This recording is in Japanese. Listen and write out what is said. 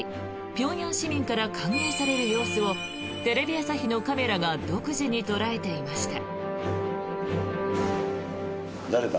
平壌市民から歓迎される様子をテレビ朝日のカメラが独自に捉えていました。